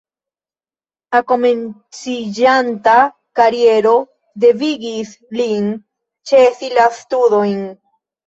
La komenciĝanta kariero devigis lin ĉesi la studojn.